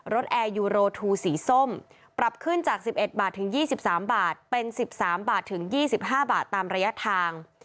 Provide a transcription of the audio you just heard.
แอร์ยูโรทูสีส้มปรับขึ้นจาก๑๑บาทถึง๒๓บาทเป็น๑๓บาทถึง๒๕บาทตามระยะทาง